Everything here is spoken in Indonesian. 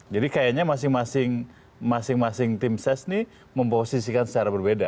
jadi kayaknya masing masing tim ses memposisikan secara berbeda